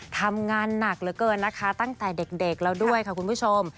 ทำงานหนักเหลือเกินนะคะตั้งแต่เด็กแล้วด้วยค่ะคุณผู้ชม